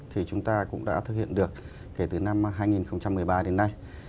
thì chúng ta cũng đã thực hiện được kể từ năm hai nghìn một mươi ba đến nay